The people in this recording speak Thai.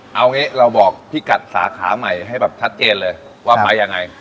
เอางี้เราบอกพี่กัดสาขาใหม่ให้แบบชัดเจนเลยว่าไปยังไง